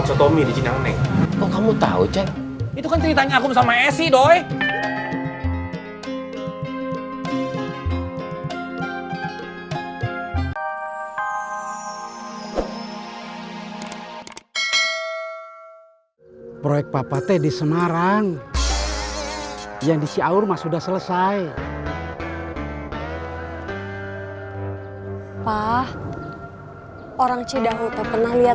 sampai jumpa di video selanjutnya